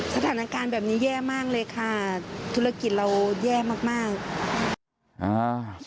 สถานการณ์แบบนี้แย่มากเลยค่ะธุรกิจเราแย่มากมากอ่า